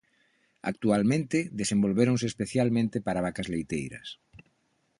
Actualmente desenvolvéronse especialmente para vacas leiteiras.